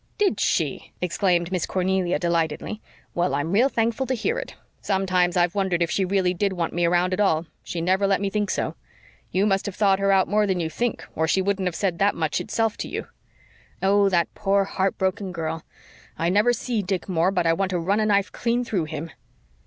"Did she?" exclaimed Miss Cornelia delightedly. "Well, I'm real thankful to hear it. Sometimes I've wondered if she really did want me around at all she never let me think so. You must have thawed her out more than you think, or she wouldn't have said that much itself to you. Oh, that poor, heart broken girl! I never see Dick Moore but I want to run a knife clean through him."